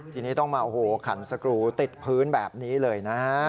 ทีนี้ต้องมาโอ้โหขันสกรูติดพื้นแบบนี้เลยนะฮะ